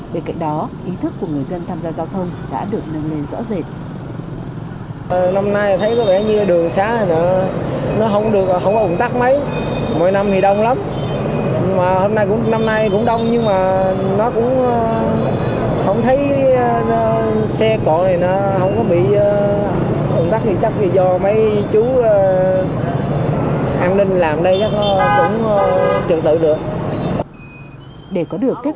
bên cạnh đó ý thức của người dân tham gia giao thông đã được nâng lên rõ rệt